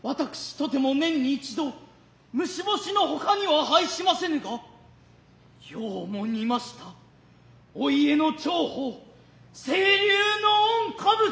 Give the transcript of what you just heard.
とても年に一度虫干の外には拝しませぬがようも似ましたお家の重宝青龍の御兜。